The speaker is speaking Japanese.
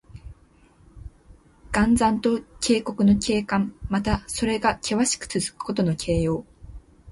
岩山と渓谷の景観。また、それがけわしくつづくことの形容。